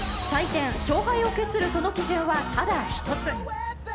採点、勝敗を決するその基準はただ一つ。